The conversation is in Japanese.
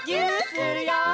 するよ！